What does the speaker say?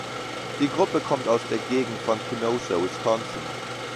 Die Gruppe kommt aus der Gegend von Kenosha, Wisconsin.